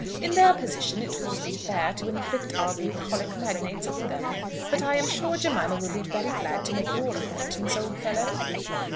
"In their position, it wouldn't be fair to inflict our bucolic magnates on them. But I'm sure Jemima will be very glad to make your acquaintance, old fellow."